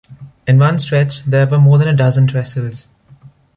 In one stretch, there were more than a dozen trestles.